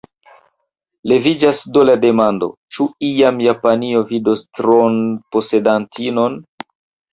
Leviĝas do la demando: ĉu iam Japanio vidos tronposedantinon?